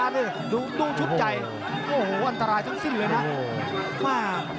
ดูชุดใจโอ้โหอันตรายทั้งสิ้นเลยนะ